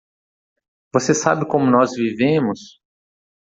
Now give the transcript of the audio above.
Você sabe como nós vivemos?